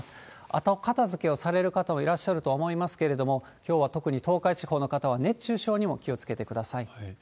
後片づけをされる方もいらっしゃると思いますけれども、きょうは特に東海地方の方は、熱中症にも気をつけてください。